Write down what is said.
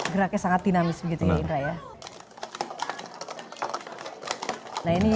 geraknya sangat dinamis begitu ya indra ya